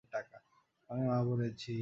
আমি মা বলেছি।